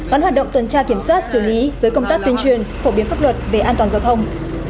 gắn hoạt động tuần tra kiểm soát xử lý với công tác tuyên truyền phổ biến pháp luật về an toàn giao thông